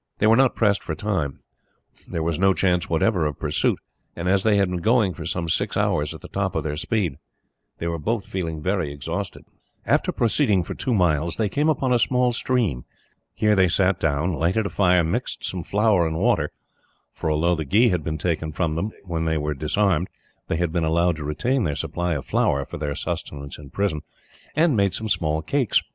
They were not pressed for time. There was no chance, whatever, of pursuit; and as they had been going, for some six hours, at the top of their speed, they were both feeling exhausted. After proceeding for two miles, they came upon a small stream. Here they sat down, lighted a fire, mixed some flour and water for although the ghee had been taken from them, when they were disarmed, they had been allowed to retain their supply of flour, for their sustenance in prison and made some small cakes.